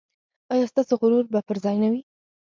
ایا ستاسو غرور به پر ځای نه وي؟